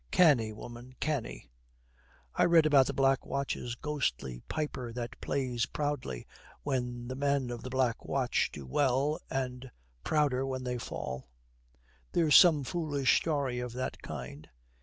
'Canny, woman, canny.' 'I read about the Black Watch's ghostly piper that plays proudly when the men of the Black Watch do well, and prouder when they fall.' 'There's some foolish story of that kind.'